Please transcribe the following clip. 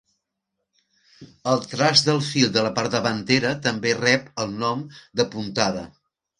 El traç del fil de la part davantera també rep el nom de "puntada".